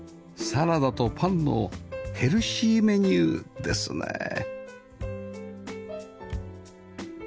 サラダとパンのヘルシーメニューですね